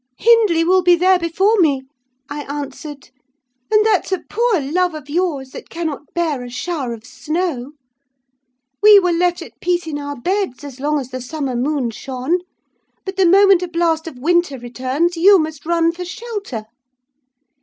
"'Hindley will be there before me,' I answered: 'and that's a poor love of yours that cannot bear a shower of snow! We were left at peace in our beds as long as the summer moon shone, but the moment a blast of winter returns, you must run for shelter!